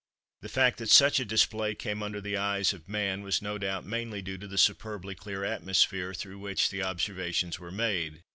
The fact that such a display came under the eyes of man was no doubt mainly due to the superbly clear atmosphere through which the observations were made.